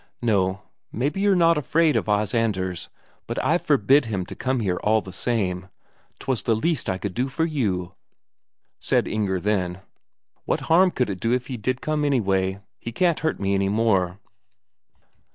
No, maybe you're not afraid of Os Anders, but I've forbid him to come here all the same. 'Twas the least I could do for you." Said Inger then: "What harm could it do if he did come, anyway? He can't hurt me any more."